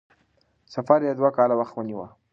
سفر یې دوه کاله وخت ونیو.